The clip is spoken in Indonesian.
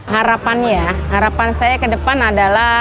harapan ya harapan saya ke depan adalah